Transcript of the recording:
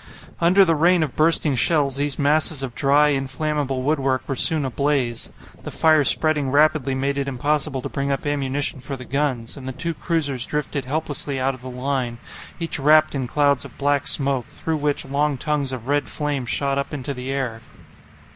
Under the rain of bursting shells these masses of dry, inflammable woodwork were soon ablaze; the fire spreading rapidly made it impossible to bring up ammunition for the guns, and the two cruisers drifted helplessly out of the line, each wrapped in clouds of black smoke, through which long tongues of red flame shot up into the air.